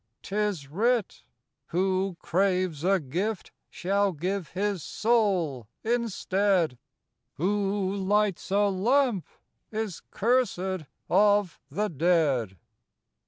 't is writ: "Who craves a gift shall give his soul instead, Who lights a lamp is cursed of the dead."